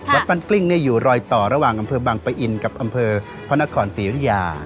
วัดปั้นกลิ้งอยู่รอยต่อระหว่างอำเภอบังปะอินกับอำเภอพระนครศรีรุยา